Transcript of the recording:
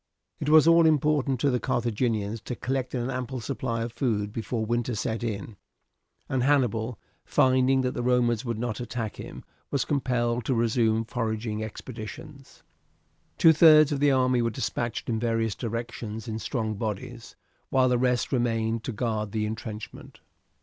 It was all important to the Carthaginians to collect an ample supply of food before winter set in, and Hannibal, finding that the Romans would not attack him, was compelled to resume foraging expeditions. Two thirds of the army were despatched in various directions in strong bodies, while the rest remained to guard the intrenchment.